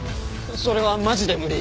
それはマジで無理。